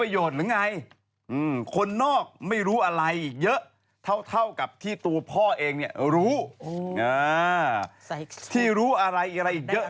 ที่รู้อะไรอะไรอีกเยอะ